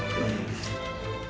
pasti saya berikan